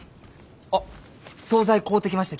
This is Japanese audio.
あっ総菜買うてきました